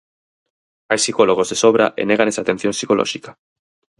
Hai psicólogos de sobra e negan esa atención psicolóxica.